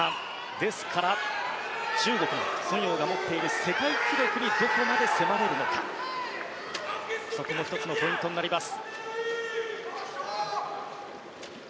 ですから、中国のソン・ヨウが持っている世界記録にどこまで迫れるのか、そこも１つのポイントになります。